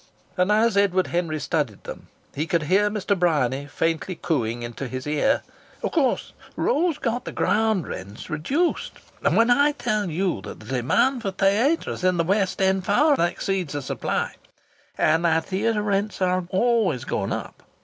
And as Edward Henry studied them he could hear Mr. Bryany faintly cooing into his ear: "Of course Rose got the ground rent reduced. And when I tell you that the demand for theatres in the West End far exceeds the supply, and that theatre rents are always going up